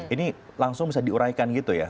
ini langsung bisa diuraikan gitu ya